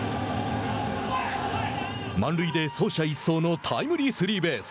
満塁で走者一掃のタイムリースリーベース。